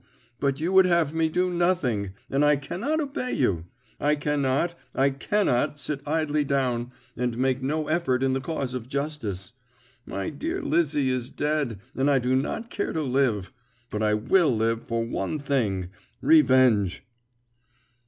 But you would have me do nothing, and I cannot obey you. I cannot I cannot sit idly down, and make no effort in the cause of justice. My dear Lizzie is dead, and I do not care to live. But I will live for one thing revenge!"